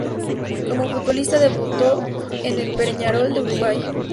Como futbolista, debutó en el Peñarol de Uruguay.